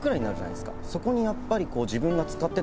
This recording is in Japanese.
そこにやっぱり。